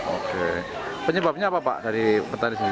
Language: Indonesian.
oke penyebabnya apa pak dari petani sendiri